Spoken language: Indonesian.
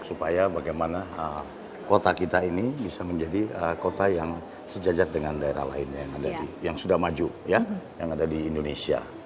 supaya bagaimana kota kita ini bisa menjadi kota yang sejajar dengan daerah lainnya yang sudah maju yang ada di indonesia